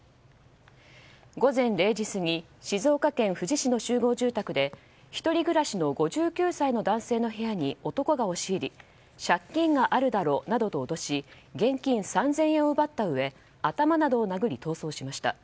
午前０時過ぎ静岡県富士市の集合住宅で１人暮らしの５９歳の男性の部屋に男が押し入り借金があるだろなどと脅し現金３０００円を奪ったうえ頭などを殴り逃走しました。